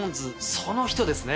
その人ですね。